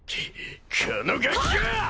このガキが！